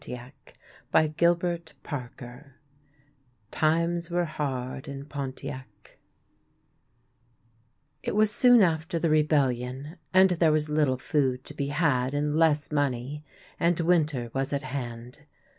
TIMES WERE HARD IN PONTIAC TIMES WERE HARD IN PONTIAC IT was soon after the Rebellion, and there was little food to be had and less money, and winter was at hand.